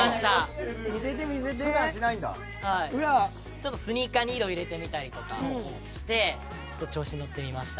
ちょっとスニーカーに色入れてみたりとかしてちょっと調子のってみました。